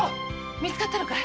見つかったのかい？